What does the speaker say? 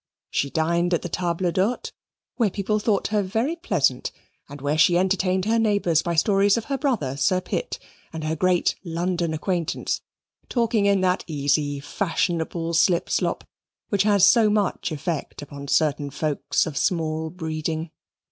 She dined at the table d'hote, where people thought her very pleasant, and where she entertained her neighbours by stories of her brother, Sir Pitt, and her great London acquaintance, talking that easy, fashionable slip slop which has so much effect upon certain folks of small breeding.